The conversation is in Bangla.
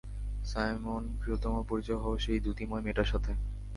সাইমন, প্রিয়তম, পরিচয় হও সেই দ্যুতিময় মেয়েটার সাথে!